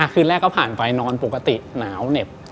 คืนแรกก็ผ่านไปนอนปกติหนาวเหน็บ